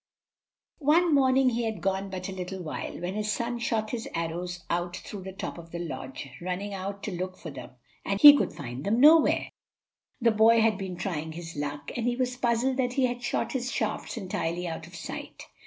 One morning he had been gone but a little while, when his son shot his arrows out through the top of the lodge; running out to look for them, he could find them nowhere. The boy had been trying his luck, and he was puzzled that he had shot his shafts entirely out of sight.